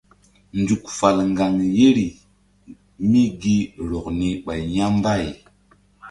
Nzuk fal ŋgaŋ yeri mí gi rɔk ni ɓay ya̧ mbay.